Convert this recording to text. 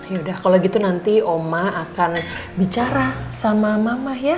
yaudah kalau gitu nanti oma akan bicara sama mama ya